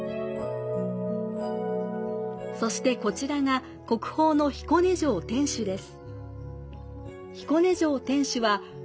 そしてこちらが、国宝の彦根城天守です。